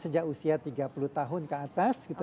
jadi banyak mengatakan sejak usia tiga puluh tahun ke atas gitu